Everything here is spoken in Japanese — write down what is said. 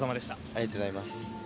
ありがとうございます。